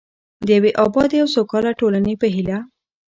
د یوې ابادې او سوکاله ټولنې په هیله.